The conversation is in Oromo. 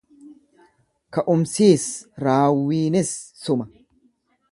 Ka'umsiis raawwiinis suma.